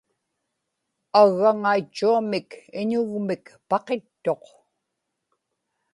aggaŋaitchuamik iñugmik paqittuq